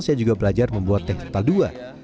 saya juga belajar membuat teh kepal dua